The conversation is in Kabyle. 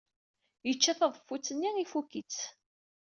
Yecca taḍeffut-nni, ifuk-itt.